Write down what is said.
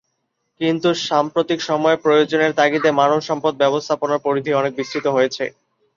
কিন্তু সাম্প্রতিক সময়ে প্রয়োজনের তাগিদে মানব সম্পদ ব্যবস্থাপনার পরিধি অনেক বিস্তৃত হয়েছে।